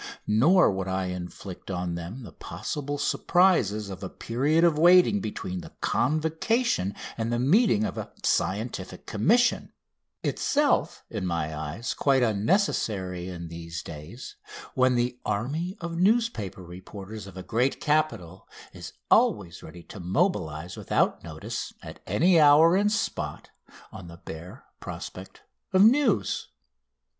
Nor would I inflict on them the possible surprises of a period of waiting between the convocation and the meeting of a Scientific Commission, itself in my eyes quite unnecessary in these days, when the army of newspaper reporters of a great capital is always ready to mobilise without notice, at any hour and spot, on the bare prospect of news.